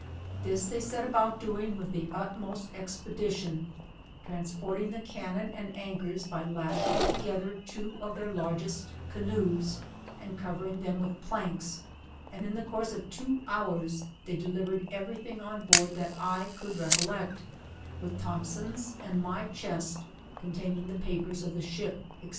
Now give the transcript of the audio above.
This they set about doing with the utmost expedition, trans porting the cannon and anchors by lashing together two of their largest canoes, and covering them with planks, and in the course of two hours, tliey delivered every thing on board that I could recol lect, with Thompson's and noy chest, containing the papers of the ship, &c.